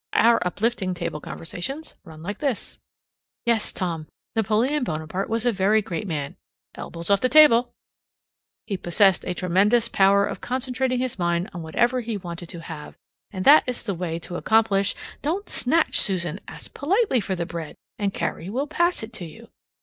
Our uplifting table conversations run like this: "Yes, Tom, Napoleon Bonaparte was a very great man elbows off the table. He possessed a tremendous power of concentrating his mind on whatever he wanted to have; and that is the way to accomplish don't snatch, Susan; ask politely for the bread, and Carrie will pass it to you.